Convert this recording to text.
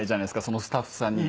そのスタッフさんに。